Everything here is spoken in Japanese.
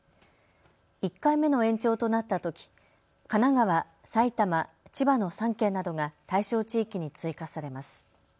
１回目の延長となったとき神奈川、埼玉、千葉の３県などが対象地域に追加されます。